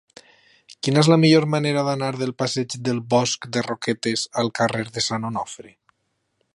Quina és la millor manera d'anar del passeig del Bosc de Roquetes al carrer de Sant Onofre?